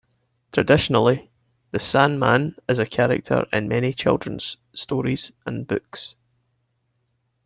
Traditionally, the Sandman is a character in many children's stories and books.